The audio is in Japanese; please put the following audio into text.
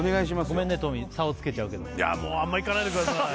ごめんねトミー差をつけちゃうけどいやあんまいかないでください